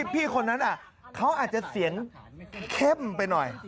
พี่คนนั้นเขาอาจจะเสียงเข้มไปหน่อย